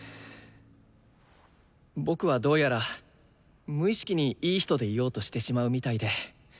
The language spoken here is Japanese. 僕はどうやら無意識に「いい人」でいようとしてしまうみたいで。